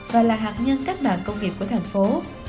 và là hạt nhân cách mạng công nghiệp của thành phố